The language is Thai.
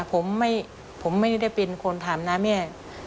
ผมไม่ได้เป็นคนถามนะแม่